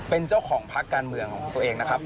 เป็นเจ้าของพักการเมืองของตัวเองนะครับ